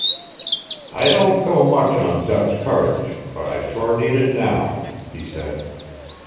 "I don't go much on Dutch courage, but I sure need it now," he said.